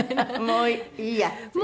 「もういいや」って。